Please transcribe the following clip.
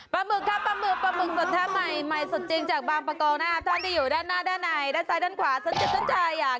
ปลาหมึกครับปลาหมึกปลาหมึกสดแท้ใหม่กินมาจากบางประกองท่านที่อยู่ด้านหน้าด้านในซ้ายด้านขวาสนสิทธิ์สนใจใหญ่